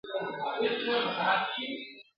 چي حکیم کړه ورنيژدې سږمو ته سوټه !.